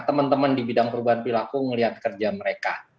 teman teman di bidang perubahan perilaku melihat kerja mereka